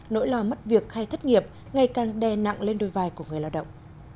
nỗi lo mất việc hay thất nghiệp ngay càng đe nặng lên đôi vai của người lao động